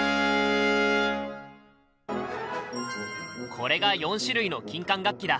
これが４種類の金管楽器だ！